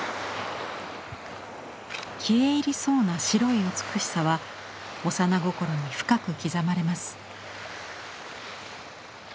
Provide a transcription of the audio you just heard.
消え入りそうな白い美しさは幼心に深く刻まれます。